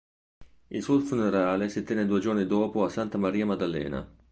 Il suo funerale si tenne due giorni dopo a Santa Maria Maddalena.